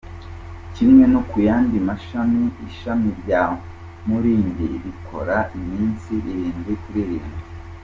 Kimwe no ku yandi mashami, ishami rya Mulindi rikora iminsi irindwi kuri irindwi.